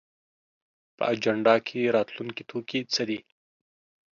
په اجنډا کې راتلونکی توکي څه دي؟